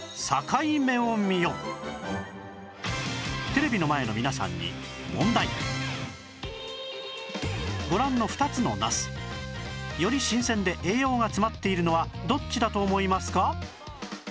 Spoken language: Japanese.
テレビの前の皆さんにご覧の２つのナスより新鮮で栄養が詰まっているのはどっちだと思いますか？